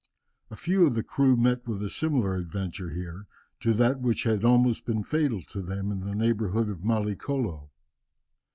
A few of the crew met with a similar adventure here to that which had been almost fatal to some of them in the neighbourhood of Mallicolo.